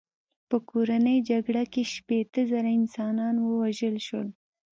په کورنۍ جګړه کې شپېته زره انسانان ووژل شول.